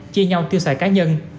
chia nhau tiêu xoài cá nhân